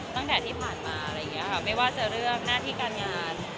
ตั้งแต่ที่ผ่านมาไม่ว่าจะเรื่องหน้าที่การงาน